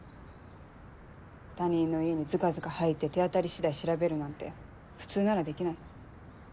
他人の家にずかずか入って手当たり次第調べるなんて普通ならできない。